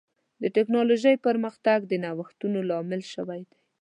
د ټکنالوجۍ پرمختګ د نوښتونو لامل شوی دی.